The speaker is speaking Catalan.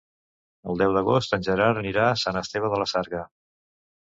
El deu d'agost en Gerard anirà a Sant Esteve de la Sarga.